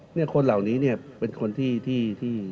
เนี่ยคนเหล่านี้เนี่ยเป็นคนที่